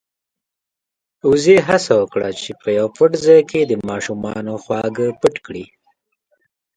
وزې هڅه وکړه چې په يو پټ ځای کې د ماشومانو خواږه پټ کړي.